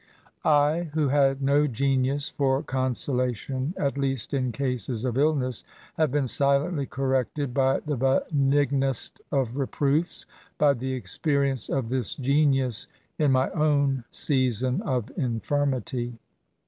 I, who had no genius for consolation, at least in cases of illness, have been silently corrected by the benignest of reproofs, — ^by the experience of this genius in my own season of infirmity.